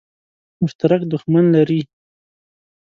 مشترک دښمن لري.